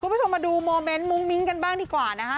คุณผู้ชมมาดูโมเมนต์มุ้งมิ้งกันบ้างดีกว่านะคะ